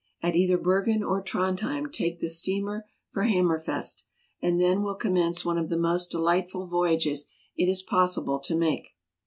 At either Bergen or Trondhjem take the steamer for Hammerfest. And then will commence one of the most delightful voyages it is possible to make.